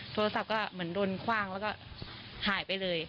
โทรศัพท์ก็เหมือนโดนคว่างแล้วก็หายไปเลย